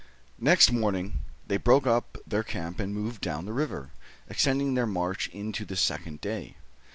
Next morning, they broke up their camp and moved down the river, extending their march into the second day.